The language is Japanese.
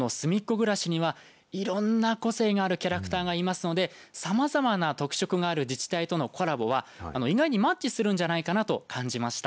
ぐらしにはいろんな個性があるキャラクターがいますのでさまざまな特色がある自治体とのコラボは意外にマッチするんじゃないかなと感じました。